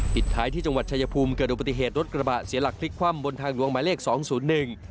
ปิดท้ายที่จังหวัดชายภูมิเกิดอุบัติเหตุรถกระบะเสียหลักพลิกคว่ำบนทางหลวงหมายเลขสองศูนย์หนึ่ง